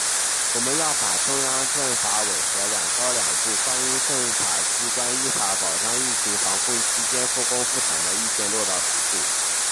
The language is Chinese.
我们要把中央政法委和‘两高两部’《关于政法机关依法保障疫情防控期间复工复产的意见》落到实处